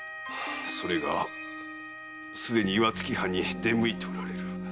それがすでに岩槻藩に出向いておられる。